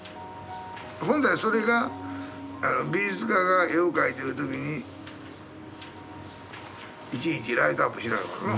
本来それが美術家が絵を描いてる時にいちいちライトアップしないもんな。